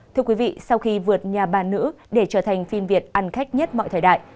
thưa quý vị sau khi vượt nhà bà nữ để trở thành phim việt ăn khách nhất mọi thời đại